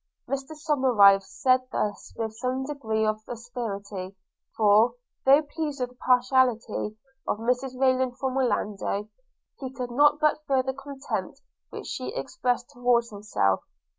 Somerive said this with some degree of asperity; for, though pleased with the partiality of Mrs Rayland for Orlando, he could not but feel the contempt she expressed towards himself.